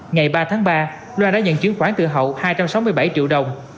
ngày ba tháng ba loan đã nhận chuyển khoản tự hậu hai trăm sáu mươi bảy triệu đồng